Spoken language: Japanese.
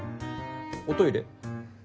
おトイレ？